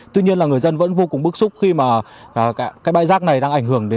tuy nhiên là người dân vẫn vô cùng bức xúc khi mà cái bãi rác này đang ảnh hưởng đến